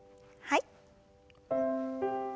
はい。